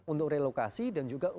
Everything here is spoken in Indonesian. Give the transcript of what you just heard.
untuk relokasi dan juga